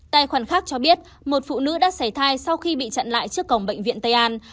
tài khoản khác cho biết một phụ nữ đã xảy thai sau khi bị chặn lại trước cổng bệnh viện tây an